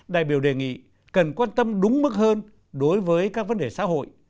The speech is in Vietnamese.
đại biểu đề nghị cần quan tâm đúng mức hơn đối với các vấn đề xã hội